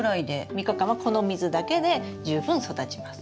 ３日間はこの水だけで十分育ちます。